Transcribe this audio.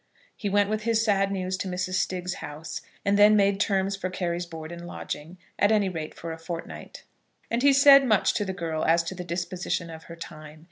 He went with his sad news to Mrs. Stiggs's house, and then made terms for Carry's board and lodging, at any rate, for a fortnight. And he said much to the girl as to the disposition of her time.